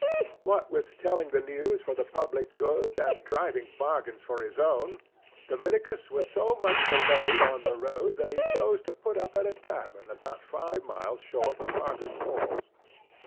What with telling the news for the public good and driving bargains for his own, Dominicus was so much delayed on the road that he chose to put up at a tavern about five miles short of Parker's Falls.